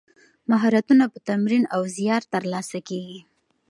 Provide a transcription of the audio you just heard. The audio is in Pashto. مهارتونه په تمرین او زیار ترلاسه کیږي.